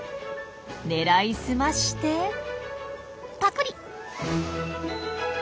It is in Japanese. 狙いすましてパクリ！